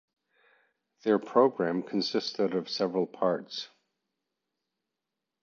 Their program consisted of several parts.